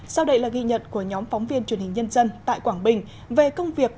sau đây là ghi nhận của nhóm phóng viên truyền hình nhân dân tại quảng bình về công việc